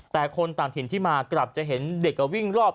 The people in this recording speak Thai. แต่คนต่างถิ่นที่มากลับจะเห็นเด็กวิ่งรอบ